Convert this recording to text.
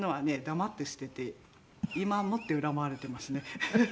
黙って捨てて今もって恨まれてますね。